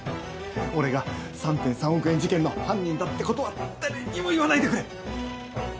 俺が３．３億円事件の犯人だって事は誰にも言わないでくれ！